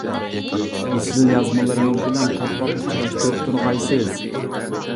ئېسىل يازمىلىرىڭىز بىلەن پات پات ئۇچراشتۇرۇپ تۇرغايسىز.